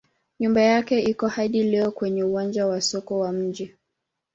Nyumba yake iko hadi leo kwenye uwanja wa soko wa mji.